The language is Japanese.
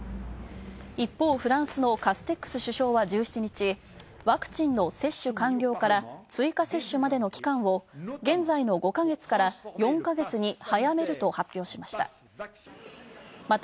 一方、フランスのカステックス首相は１７日、ワクチンの接種完了から追加接種までの期間を現在の５ヵ月から４ヵ月に早めると発表しました。